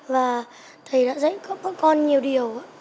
và thầy đã dạy có bất con nhiều điều